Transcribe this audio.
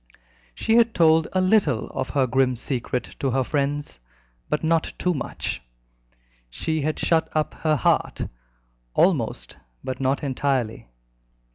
She had told a little of her grim secret to her friends, but not too much; she had shut up her heart almost, but not entirely.